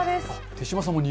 手嶋さんも。